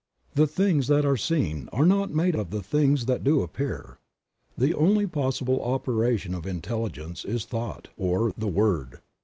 "The things that are seen are not made of the things that do appear." The only possible operation of intelligence is thought, or "The Word."